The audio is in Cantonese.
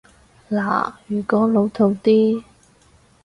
嗱，如果老套啲